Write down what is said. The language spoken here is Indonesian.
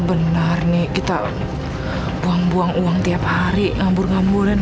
benar nih kita buang buang uang tiap hari ngambur ngamburan